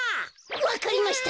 わかりました！